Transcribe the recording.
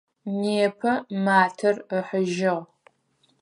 Непэ матэр ыхьыжьыгъ.